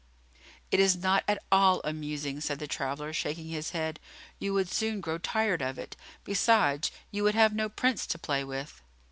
"It is not at all amusing," said the traveller, shaking his head. "You would soon grow tired of it; besides, you would have no Prince to play with."